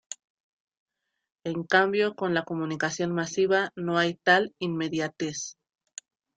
En cambio, con la comunicación masiva, no hay tal inmediatez.